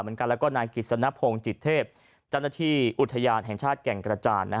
เหมือนกันแล้วก็นายกิจสนพงศ์จิตเทพเจ้าหน้าที่อุทยานแห่งชาติแก่งกระจาน